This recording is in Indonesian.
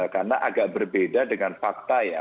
karena agak berbeda dengan fakta ya